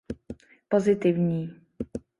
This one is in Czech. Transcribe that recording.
Pozitivní.